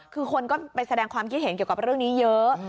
คือคนก็ไปแสดงความคิดเห็นเกี่ยวกับเรื่องนี้เยอะ